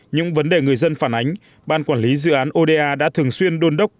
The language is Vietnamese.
những vấn đề người dân phản ánh ban quản lý dự án oda đã thường xuyên đôn đốc